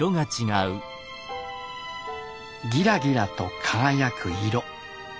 ギラギラと輝く色。